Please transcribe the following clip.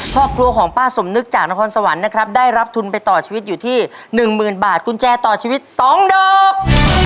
ครอบครัวของป้าสมนึกจากนครสวรรค์นะครับได้รับทุนไปต่อชีวิตอยู่ที่หนึ่งหมื่นบาทกุญแจต่อชีวิต๒ดอก